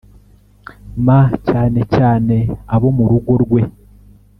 M cyane cyane abo mu rugo rwe